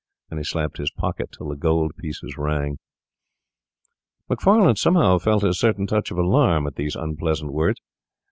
And he slapped his pocket till the gold pieces rang. Macfarlane somehow felt a certain touch of alarm at these unpleasant words.